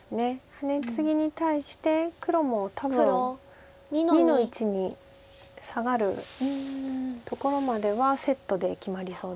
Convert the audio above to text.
ハネツギに対して黒も多分２の一にサガるところまではセットで決まりそうです。